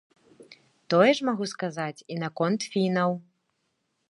Тое ж магу сказаць і наконт фінаў.